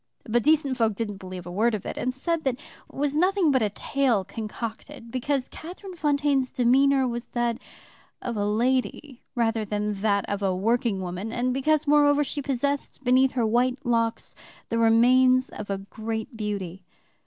But decent folk didn't believe a word of it, and said it was nothing but a tale concocted because Catherine Fontaine's demeanor was that of a lady rather than that of a working woman, and because, moreover, she possessed beneath her white locks the remains of great beauty.